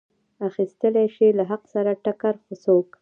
اخیستلی شي له حق سره ټکر څوک.